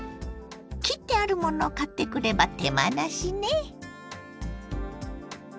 切ってあるものを買ってくれば手間なしね。